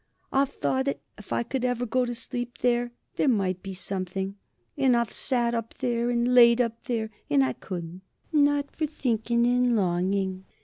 I've thought if I could go to sleep there, there might be something. But I've sat up there and laid up there, and I couldn't not for thinking and longing.